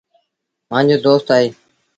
مآݩجو دوست اهي۔